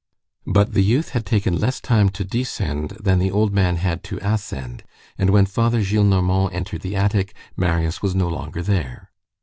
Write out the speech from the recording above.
But the youth had taken less time to descend than the old man had to ascend, and when Father Gillenormand entered the attic, Marius was no longer there.